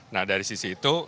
nah dari sisi itu